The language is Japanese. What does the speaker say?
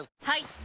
はい！